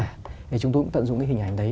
thì chúng tôi cũng tận dụng cái hình ảnh đấy